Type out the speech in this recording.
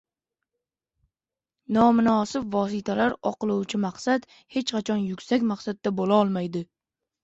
Nomunosib vositalarni oqlovchi maqsad hech qachon yuksak maqsad bo‘lolmaydi.